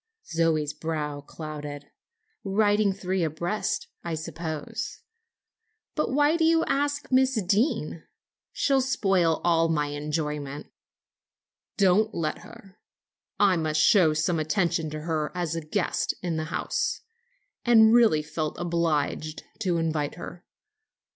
Zoe's brow clouded. "Riding three abreast, I suppose. But why did you ask Miss Deane? She'll spoil all my enjoyment." "Don't let her; I must show some attention to her as a guest in the house, and really felt obliged to invite her.